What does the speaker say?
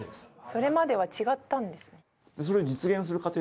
それまでは違ったんですね